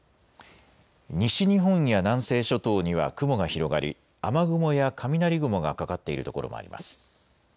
西日本や南西諸島には雲が広がり雨雲や雷雲がかかっている所もあります。